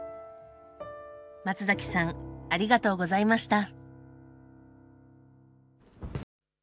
松崎さんありがとうございました。